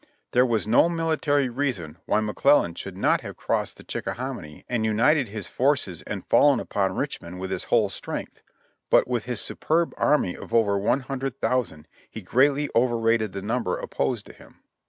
There was no military reason why Mc Clellan should not have crossed the Chickahominy and united his forces and fallen upon Richmond with his whole strength, but with his superb army of over 100,000 he greatly over rated the number opposed to him.